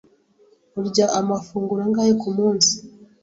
Urya amafunguro angahe kumunsi?